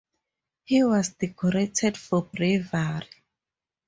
He was decorated for bravery.